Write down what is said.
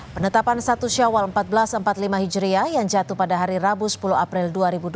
penetapan satu syawal seribu empat ratus empat puluh lima hijriah yang jatuh pada hari rabu sepuluh april dua ribu dua puluh